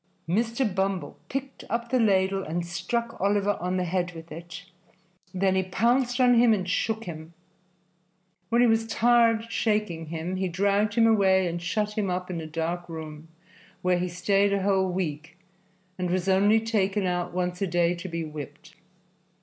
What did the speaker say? Mr. Bumble picked up the ladle and struck Oliver on the head with it; then he pounced on him and shook him. When he was tired shaking him, he dragged him away and shut him up in a dark room, where he stayed a whole week, and was only taken out once a day to be whipped.